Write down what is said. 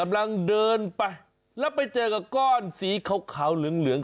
กำลังเดินไปแล้วไปเจอกับก้อนสีขาวเหลืองเหลือง